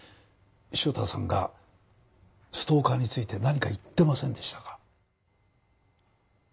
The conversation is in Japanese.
汐田さんがストーカーについて何か言ってませんでしたか？